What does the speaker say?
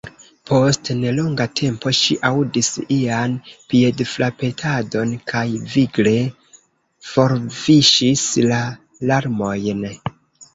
Post ne longa tempo ŝi aŭdis ian piedfrapetadon, kaj vigle forviŝis la larmojn.